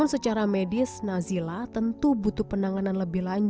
senang lah emangnya